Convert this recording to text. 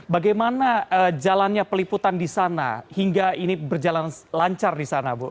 bagaimana jalannya peliputan disana hingga ini berjalan lancar disana bu